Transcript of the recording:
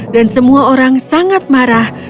dan semua orang sangat marah